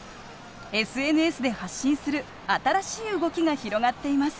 ＳＮＳで発信する新しい動きが広がっています。